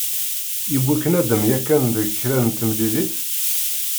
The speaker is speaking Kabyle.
Yewwi-k nadam yakan deg kra n temlilit?